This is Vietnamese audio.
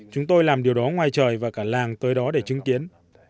chúng tôi làm điều đó ngoài trời và cả làng tới đó để chứng kiến